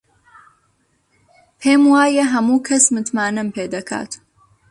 پێم وایە هەموو کەس متمانەم پێ دەکات.